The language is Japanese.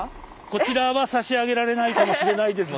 こちらは差し上げられないかもしれないですが。